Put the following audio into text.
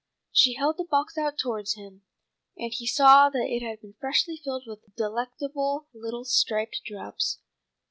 She held the box out towards him, and he saw that it had been freshly filled with delectable little striped drops.